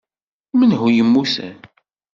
Menhu i yemmuten?